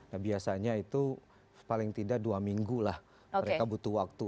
nah biasanya itu paling tidak dua minggu lah mereka butuh waktu